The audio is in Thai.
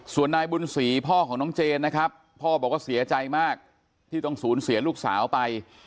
ส่วนนายบุญศรีพ่อของน้องเจนนะครับพ่อบอกว่าเสียใจมากที่ต้องสูญเสียลูกสาวไป